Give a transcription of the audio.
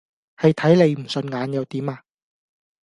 係睇你唔順眼又點呀！